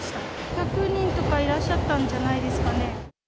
１００人とかいらっしゃったんじゃないですかね。